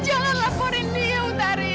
jangan laporin dia tari